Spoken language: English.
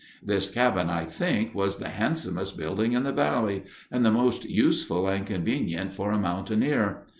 This cabin, I think, was the handsomest building in the Valley, and the most useful and convenient for a mountaineer.